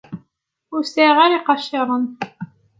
Ur lsiɣ ara iqaciren.